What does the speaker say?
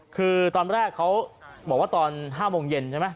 คือตอนแรกเขาบอกว่าตอน๕โมงเย็นใช่ไหม